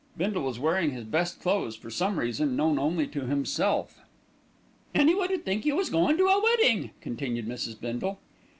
Bindle was wearing his best clothes, for some reason known only to himself. "Anyone would think you was goin' to a weddin'," continued Mrs. Bindle.